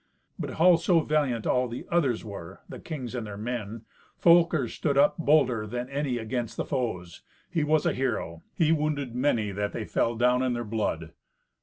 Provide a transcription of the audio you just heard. But howso valiant all the others were, the kings and their men, Folker stood up bolder than any against the foes; he was a hero; he wounded many, that they fell down in their blood.